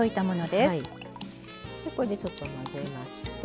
でこれでちょっと混ぜまして。